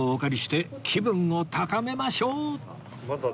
気分を高めましょう！